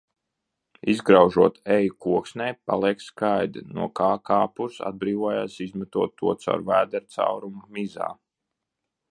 Izgraužot eju koksnē paliek skaida, no kā kāpurs atbrīvojās izmetot to caur vēdcaurumu mizā.